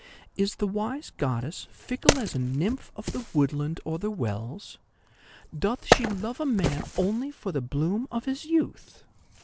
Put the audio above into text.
Is the wise goddess fickle as a nymph of the woodland or the wells? Doth she love a man only for the bloom of his youth?